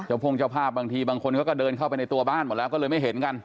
พ่งเจ้าภาพบางทีบางคนเขาก็เดินเข้าไปในตัวบ้านหมดแล้วก็เลยไม่เห็นกัน